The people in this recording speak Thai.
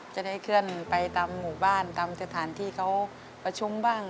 จะได้เคลื่อนไปตามหมู่บ้านตามสถานที่เขาประชุมบ้าง